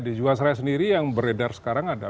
di jiwasraya sendiri yang beredar sekarang ada